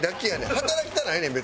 働きたないねん別に。